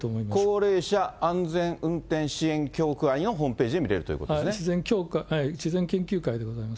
高齢者安全運転支援協会のホームページで見られるということ支援研究会でございます。